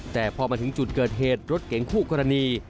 แต่พอมาถึงจุดเกิดเหตุรถเก๋งคู่กรณี